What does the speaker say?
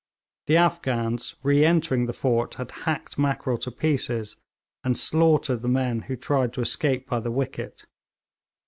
The Afghans, re entering the fort, had hacked Mackrell to pieces and slaughtered the men who tried to escape by the wicket.